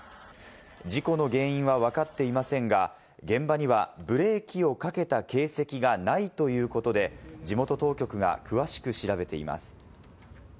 事故の原因はわかっていませんが、現場にはブレーキをかけた形跡がないということで、地元当局が詳しく調べています。